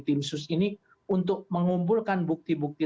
tim sus ini untuk mengumpulkan bukti bukti